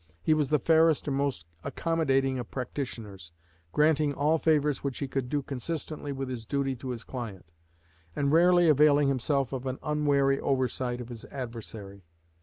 He was the fairest and most accommodating of practitioners, granting all favors which he could do consistently with his duty to his client, and rarely availing himself of an unwary oversight of his adversary.